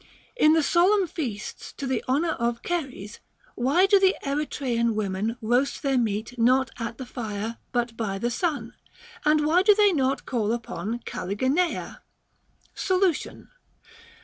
In the solemn feasts to the honor of Ceres, why do the Eretrian women roast their meat not at the fire, but by the sun ; and why do they not call upon Kalligeneia 1 Solution.